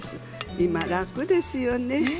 今、楽ですよね